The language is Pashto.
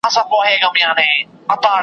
یو ګیدړ وو ډېر چالاکه په ځغستا وو .